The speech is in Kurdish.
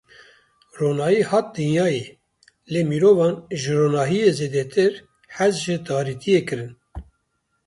Ronahî hat dinyayê lê mirovan ji ronahiyê zêdetir hez ji tarîtiyê kirin.